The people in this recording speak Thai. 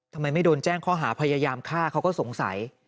ทำไมไม่โดนแจ้งข้อหาพยายามฆ่าเขาก็สงสัย